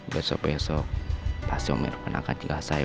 besok besok pasti omir akan angkat jelas saya